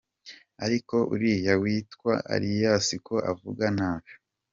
Ariko uriya witwa Alias ko avuga nabi?